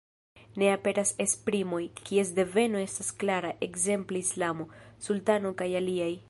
Ne aperas esprimoj, kies deveno estas klara, ekzemple islamo, sultano kaj aliaj.